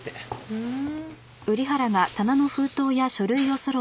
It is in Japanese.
ふん。